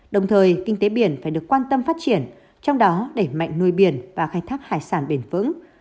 đồng thời kinh tế biển phải được quan tâm phát triển trong đó đẩy mạnh nuôi biển và khai thác hải sản bền vững